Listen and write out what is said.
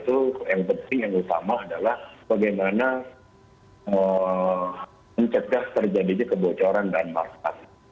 itu yang penting yang utama adalah bagaimana mencegah terjadinya kebocoran dan markas